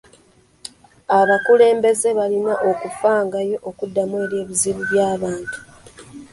Abakulembeze balina okufangayo okuddamu eri ebizibu by'abantu.